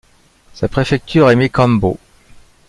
Sa préfecture est Mékambo.